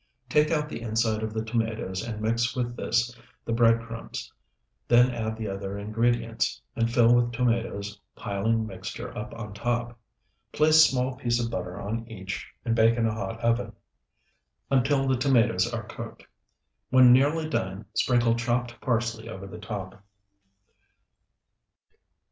Take out the inside of the tomatoes and mix with this the bread crumbs. Then add the other ingredients, and fill the tomatoes, piling mixture up on top. Place small piece of butter on each, and bake in a hot oven, until the tomatoes are cooked. When nearly done, sprinkle chopped parsley over the top.